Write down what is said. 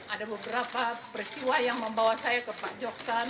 ada beberapa peristiwa yang membawa saya ke pak joksan